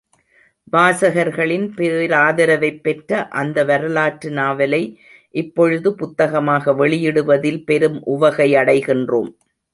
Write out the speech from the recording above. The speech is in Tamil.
வாசகர்களின் பேராதரவைப் பெற்ற அந்த வரலாற்று நாவலை இப்பொழுது புத்தகமாக வெளியிடுவதில் பெரிதும் உவகை அடைகின்றோம்.